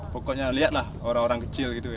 pokoknya lihatlah orang orang kecil gitu ya